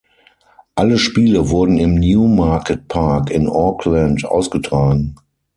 Alle Spiele wurden im Newmarket Park in Auckland ausgetragen.